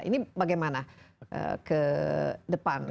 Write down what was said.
ini bagaimana ke depan